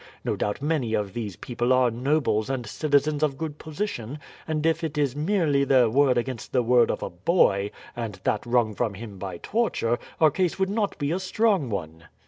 No doubt many of these people are nobles and citizens of good position, and if it is merely their word against the word of a boy, and that wrung from him by torture, our case would not be a strong one."